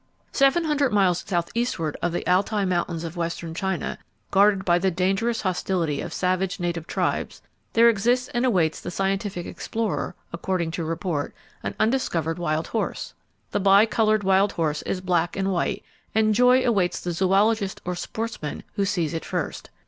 Seven hundred miles southeastward of the Altai Mountains of western China, guarded by the dangerous hostility of savage native tribes, there exists and awaits the scientific explorer, according to report, an undiscovered wild horse. The Bicolored Wild Horse is black and white, and joy awaits the zoologist or sportsman who sees it first.